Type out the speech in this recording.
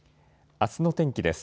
あすの天気です。